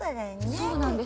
そうなんです。